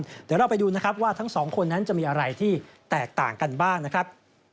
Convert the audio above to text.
เดี๋ยวเราไปดูนะครับว่าทั้งสองคนนั้นจะมีอะไรที่แตกต่างกันบ้างนะครับ